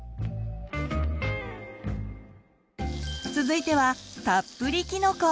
続いてはたっぷりきのこ。